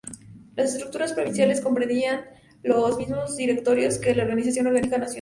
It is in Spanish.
Las estructuras provinciales comprendían los mismos directorios que la organización orgánica nacional.